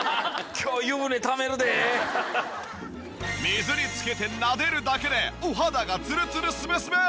水につけてなでるだけでお肌がつるつるスベスベ！